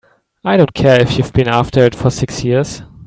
I don't care if you've been after it for six years!